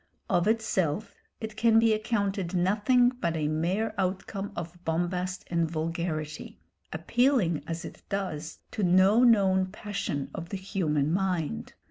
Of itself it can be accounted nothing but a mere outcome of bombast and vulgarity, appealing as it does to no known passion of the human mind.